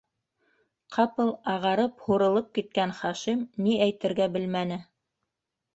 - Ҡапыл ағарып һурылып киткән Хашим ни әйтергә белмәне.